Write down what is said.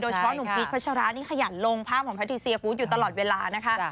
เฉพาะหนุ่มพีชพัชรานี่ขยันลงภาพของแพทิเซียฟู้ดอยู่ตลอดเวลานะคะ